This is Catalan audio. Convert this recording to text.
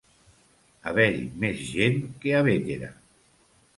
Haver-hi més gent que a Bétera.